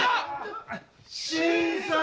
新さん。